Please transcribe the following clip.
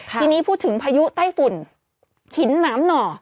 ทีนี้พูดถึงพายุไต้ฝุ่นหินหนามหน่อ